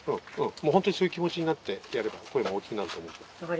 もう本当にそういう気持ちになってやれば声も大きくなると思うから。